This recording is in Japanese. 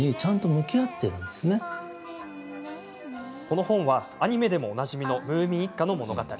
この本はアニメでもおなじみのムーミン一家の物語。